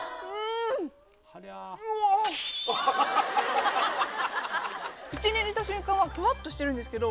うおっ口に入れた瞬間はふわっとしてるんですけど